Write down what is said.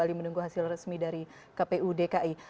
kami menunggu hasil resmi dari kpu dki